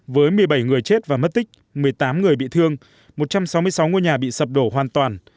với một mươi bảy người chết và mất tích một mươi tám người bị thương một trăm sáu mươi sáu ngôi nhà bị sập đổ hoàn toàn